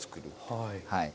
はい。